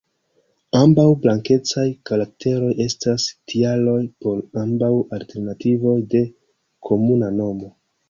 Ambaŭ blankecaj karakteroj estas tialoj por ambaŭ alternativoj de komuna nomo.